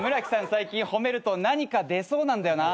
最近褒めると何か出そうなんだよな。